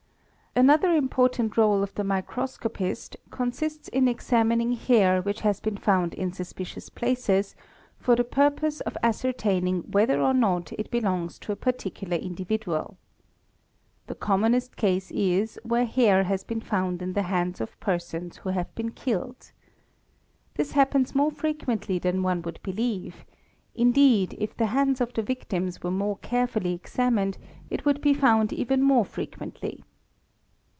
Another important réle of the microscopist consists In examining hair which has been found in suspicious places for the purpose of ascertaining whether or not it belongs to a particular individual. The commonest case is where hair has been found in the hands of persons who have been killed. This happens more frequently than one would believe ; indeed if the hands of the victims were more carefully examined it would be _ found even more frequently.